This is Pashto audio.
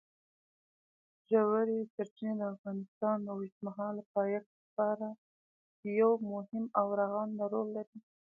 ژورې سرچینې د افغانستان د اوږدمهاله پایښت لپاره یو مهم او رغنده رول لري.